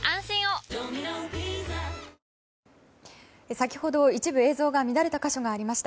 先ほど、一部映像が乱れた箇所がありました。